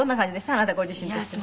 あなたご自身としては。